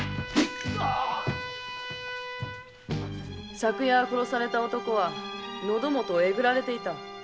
昨夜殺された男は喉元を抉られていた。